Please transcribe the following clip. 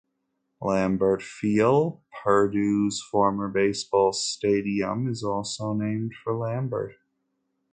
Lambert Field, Purdue's former baseball stadium, is also named for Lambert.